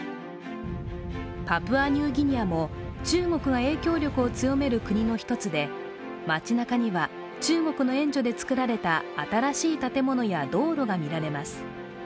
パプアニューギニアも中国が影響力を強める国の一つで街なかには中国の援助で造られた新しい建物や道路が見られます。